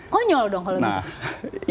konyol dong kalau gitu